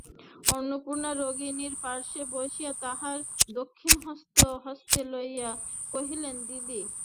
অন্নপূর্ণা রোগিণীর পার্শ্বে বসিয়া তাঁহার দক্ষিণ হস্ত হস্তে লইয়া কহিলেন, দিদি।